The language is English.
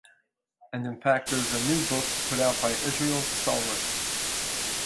And, in fact, there's a new book put out by an Israel stalwart.